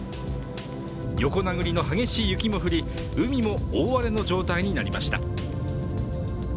横殴りの激しい雪も降り海も大荒れの状態になりました。